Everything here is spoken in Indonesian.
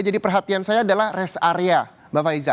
jadi perhatian saya adalah res area mbak faiza